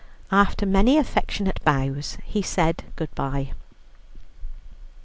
After many affectionate bows, he said good bye.